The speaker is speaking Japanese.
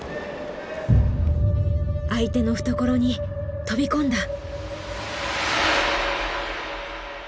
相手の懐に飛び込んだ。